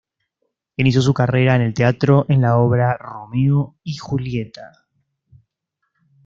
Inició su carrera en el teatro en la obra "Romeo y Julieta".